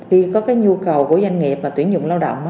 thì có cái nhu cầu của doanh nghiệp mà tuyển dụng lao động